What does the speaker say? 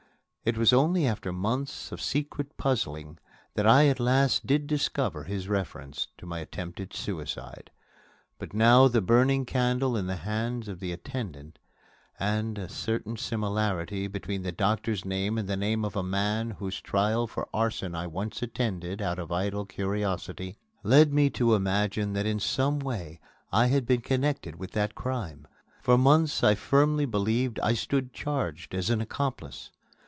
It was only after months of secret puzzling that I at last did discover his reference to my attempted suicide. But now the burning candle in the hands of the attendant, and a certain similarity between the doctor's name and the name of a man whose trial for arson I once attended out of idle curiosity, led me to imagine that in some way I had been connected with that crime. For months I firmly believed I stood charged as an accomplice.